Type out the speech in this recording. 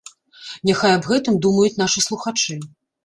Няхай аб гэтым думаюць нашы слухачы.